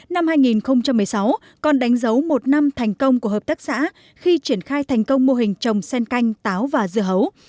năm hai nghìn một mươi sáu còn đánh dấu một năm thành công của hợp tác xã khi triển khai thành công mô hình trồng sen canh táo và dưa hấu